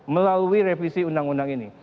melalui revisi undang undang ini